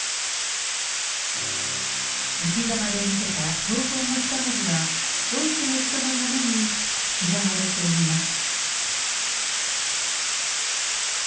いきざまで見せた闘魂の２文字は、多くの人の胸に刻まれています。